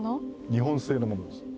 日本製のものです。